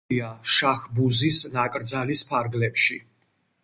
მოქცეულია შაჰბუზის ნაკრძალის ფარგლებში.